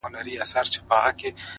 پر ښايستوكو سترگو;